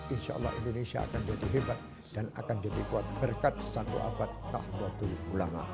insya allah indonesia akan jadi hebat dan akan lebih kuat berkat satu abad nahdlatul ulama